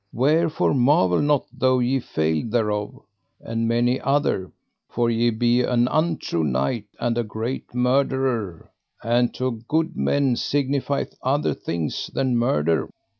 Wherefore marvel not though ye fail thereof, and many other. For ye be an untrue knight and a great murderer, and to good men signifieth other things than murder.